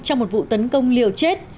trong một vụ tấn công liều chết